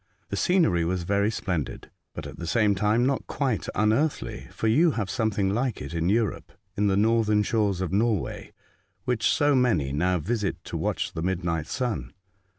The scenery was very splendid, but, at the same time, not quite unearthly, for you have some thing like it even in Europe, in the northern shores of Norway, which so many now visit to watch the midnight sun.